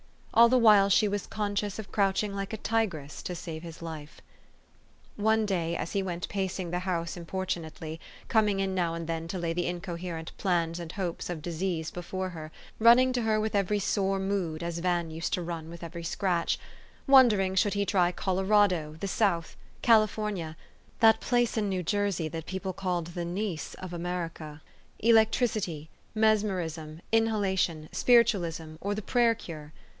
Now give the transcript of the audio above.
All the while she was conscious of crouching like a tigress to save his life. One day, as he went pacing the house importu nately ; coming in now and then to lay the incoherent plans and hopes of disease before her; running to her with every sore mood, as Van used to run with every scratch ; wondering, should he try Colorado, the South, California, that place in New Jersey people called the Nice of America, electricity, mes merism, inhalation, Spiritualism, or the prayer cure